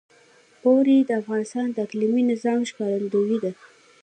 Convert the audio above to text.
اوړي د افغانستان د اقلیمي نظام ښکارندوی ده.